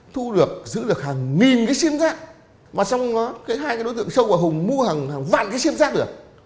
mua được giữ được hàng nghìn cái sim rác mà trong đó cái hai cái đối tượng sâu và hùng mua hàng vạn cái sim rác được